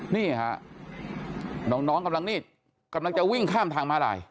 นี่ค่ะน้องกำลังจะวิ่งข้ามทางม้าลาย